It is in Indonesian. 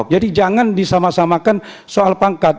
jadi jangan disamasamakan soal pangkat